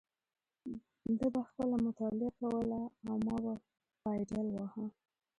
ده به خپله مطالعه کوله او ما به پایډل واهه.